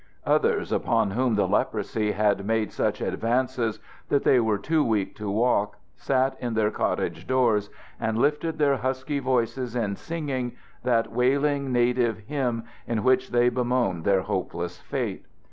Others, upon whom the leprosy had made such advances that they were too weak to walk, sat in their cottage doors and lifted their husky voices in singing that wailing native hymn in which they bemoan their hopeless fate.